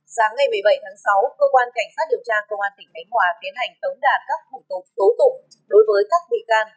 sáng ngày một mươi bảy tháng sáu cơ quan cảnh sát điều tra công an tỉnh khánh hòa tiến hành tống đạt các thủ tục tố tụng đối với các bị can